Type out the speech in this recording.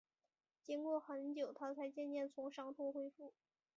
经过很久，她才渐渐从伤痛恢复